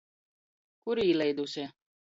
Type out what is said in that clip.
Kur īleiduse?